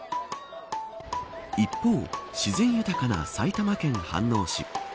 一方、自然豊かな埼玉県飯能市。